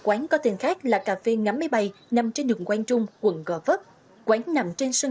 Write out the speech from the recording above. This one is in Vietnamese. quán có tên khác là cà phê ngắm máy bay nằm trên đường quang trung quận gò vấp quán nằm trên sân